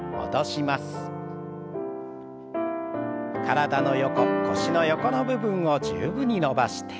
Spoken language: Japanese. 体の横腰の横の部分を十分に伸ばして。